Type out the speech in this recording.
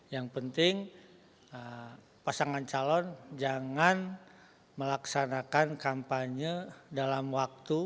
yang penting pasangan calon jangan melaksanakan kampanye dalam waktu